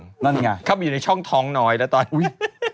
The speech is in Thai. นั่นยังไงครับเข้าไปอยู่ในช่องท้องน้อยแล้วตอนนี้